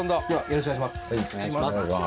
よろしくお願いします。